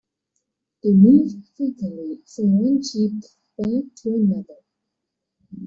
They moved frequently from one cheap flat to another.